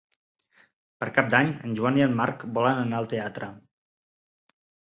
Per Cap d'Any en Joan i en Marc volen anar al teatre.